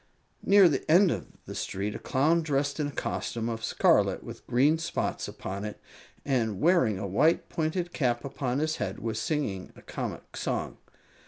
Near the end of the street a Clown, dressed in a costume of scarlet with green spots upon it, and wearing a white, pointed cap upon his head, was singing a comic song.